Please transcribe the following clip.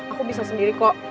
aku bisa sendiri kok